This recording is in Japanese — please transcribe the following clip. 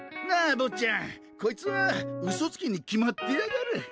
なあ坊っちゃんこいつはウソつきに決まってやがる！